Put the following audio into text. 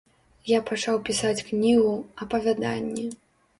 Я пачаў пісаць кнігу, апавяданні.